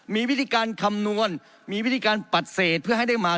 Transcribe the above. มีวิธีการคำนวณมีวิธีการปฏิเสธเพื่อให้ได้มา